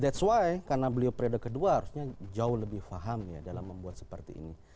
⁇ thats ⁇ why karena beliau periode kedua harusnya jauh lebih paham ya dalam membuat seperti ini